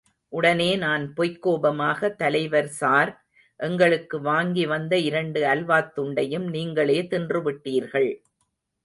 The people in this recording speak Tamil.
உடனே நான் பொய்க்கோபமாக தலைவர் சார், எங்களுக்கு வாங்கி வந்த இரண்டு அல்வாத் துண்டையும் நீங்களே தின்றுவிட்டீர்கள்.